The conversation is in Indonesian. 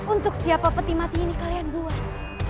untuk siapa peti mati ini kalian buat